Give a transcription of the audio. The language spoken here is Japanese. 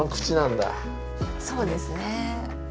そうですね。